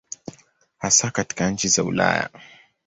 Hasa katika nchi za Ulaya.